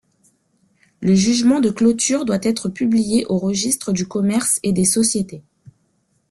Le jugement de clôture doit être publié au Registre du commerce et des sociétés.